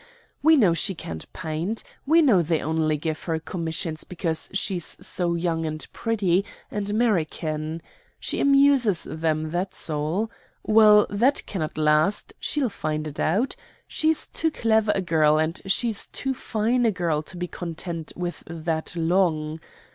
We know she can't paint. We know they only give her commissions because she's so young and pretty, and American. She amuses them, that's all. Well, that cannot last; she'll find it out. She's too clever a girl, and she is too fine a girl to be content with that long.